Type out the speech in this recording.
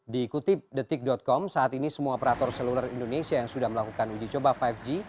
dikutip detik com saat ini semua operator seluler indonesia yang sudah melakukan uji coba lima g